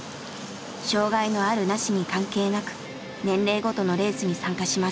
障害のあるなしに関係なく年齢ごとのレースに参加します。